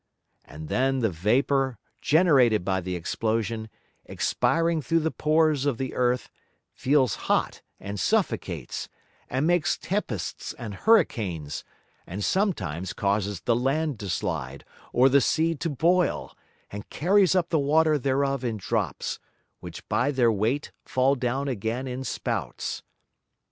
And then the Vapour generated by the Explosion, expiring through the Pores of the Earth, feels hot and suffocates, and makes Tempests and Hurricanes, and sometimes causes the Land to slide, or the Sea to boil, and carries up the Water thereof in Drops, which by their weight fall down again in Spouts.